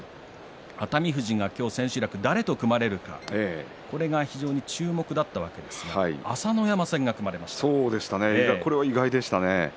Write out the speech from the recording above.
熱海富士が今日千秋楽誰と組まれるか、これが非常に注目だったわけですがこれは意外でしたね。